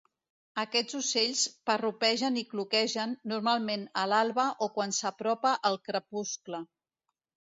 Aquests ocells parrupegen i cloquegen, normalment a l'alba o quan s'apropa el crepuscle.